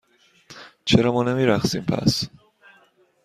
چرا ما نمی رقصیم، پس؟